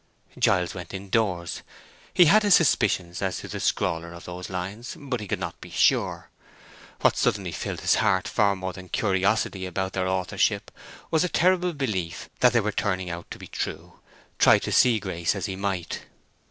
Giles went in doors. He had his suspicions as to the scrawler of those lines, but he could not be sure. What suddenly filled his heart far more than curiosity about their authorship was a terrible belief that they were turning out to be true, try to see Grace as he might.